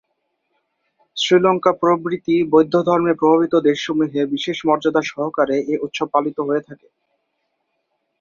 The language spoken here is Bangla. শ্রীলঙ্কা প্রভৃতি বৌদ্ধ ধর্মে প্রভাবিত দেশসমূহে বিশেষ মর্যাদা সহকারে এই উৎসব পালিত হয়ে থাকে।